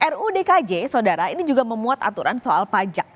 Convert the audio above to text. ruu dkj saudara ini juga memuat aturan soal pajak